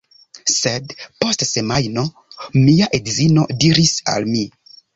Sed, post semajno, mia edzino diris al mi: